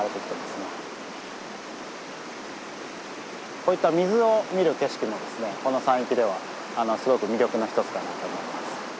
こういった水を見る景色もこの山域ではすごく魅力の一つかなと思います。